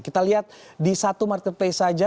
kita lihat di satu marketplace saja